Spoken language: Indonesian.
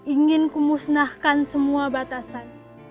ingin kumusnahkan semua batasan